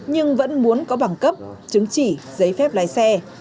nhưng vẫn muốn có bằng cấp chứng chỉ giấy phép lái xe